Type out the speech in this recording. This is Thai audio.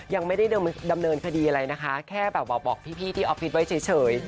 ยังไม่ได้ดำเนินคดีอะไรนะคะแค่แบบว่าบอกพี่ที่ออฟฟิศไว้เฉย